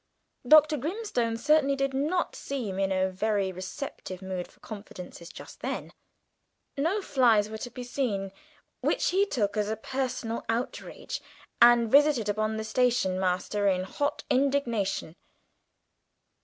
Dr. Grimstone certainly did not seem in a very receptive mood for confidences just then. No flys were to be seen, which he took as a personal outrage, and visited upon the station master in hot indignation.